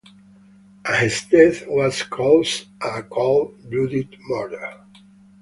And his death was called as a cold blooded murder.